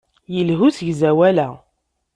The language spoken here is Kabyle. Yelha usegzawal-a.